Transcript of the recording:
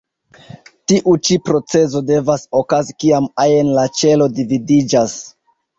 Tiu ĉi procezo devas okazi kiam ajn la ĉelo dividiĝas.